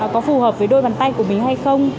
có phù hợp với đôi bàn tay của mình hay không